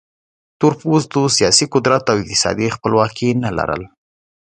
تور پوستو سیاسي قدرت او اقتصادي خپلواکي نه لرل.